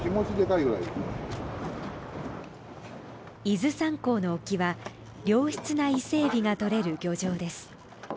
伊豆山港の沖は良質な伊勢えびがとれる漁場です。